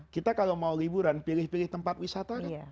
kita kalau mau liburan pilih pilih tempat wisata kan